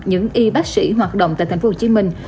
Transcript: những y bác sĩ hoạt động tại thành phố hồ chí minh